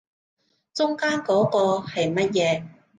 中間嗰個係乜嘢